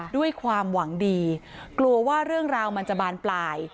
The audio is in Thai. ด้วยความหวังดีกลัวว่าเรื่องราวมันจะบานปลาย